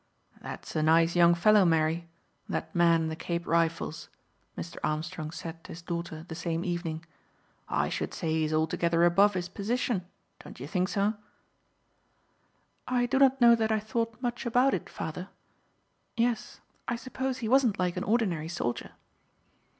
"That's a nice young fellow, Mary that man in the Cape Rifles," Mr. Armstrong said to his daughter the same evening. "I should say he is altogether above his position, don't you think so?" "I do not know that I thought much about it, father. Yes, I suppose he wasn't like an ordinary soldier."